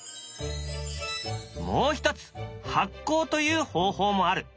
もう一つ「はっこう」という方法もある。